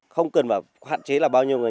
không cần phải hạn chế là bao nhiêu người